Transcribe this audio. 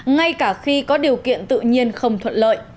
ngay cả khi có điều kiện tự nhiên không thuận lợi